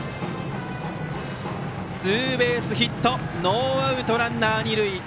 ツーベースヒットノーアウトランナー、二塁。